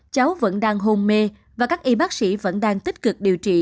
cháu vẫn đang hôn mê và các y bác sĩ vẫn đang tích cực điều trị